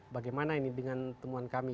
bagaimana ini dengan temuan kami